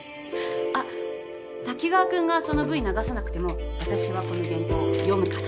あっ滝川君がそのＶ流さなくても私はこの原稿読むから。